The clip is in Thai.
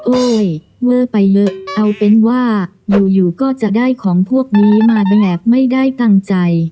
เวอร์ไปเยอะเอาเป็นว่าอยู่ก็จะได้ของพวกนี้มาแบบไม่ได้ตั้งใจ